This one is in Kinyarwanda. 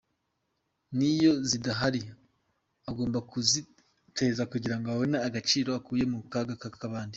Niyo zidahari agomba kuziteza kugirango abone agaciro akuye mu kaga k’abandi.